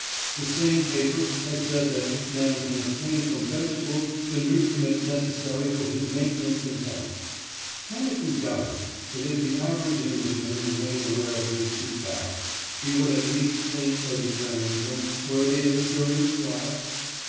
The same paper has said that "man can obtain from vegetables the nutriment necessary for his maintenance in health." Can it be doubted, that if the average Englishman were made aware of these two facts, he would at least think vegetarianism worthy of a serious trial?